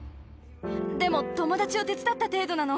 でも、友達を手伝った程度なの。